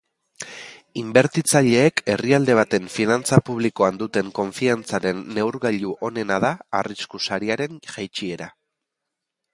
Inbertitzaileek herrialde baten finantza publikoan duten konfiantzaren neurgailu onena da arrisku sariaren jaitsiera.